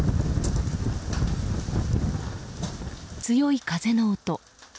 強い風の音。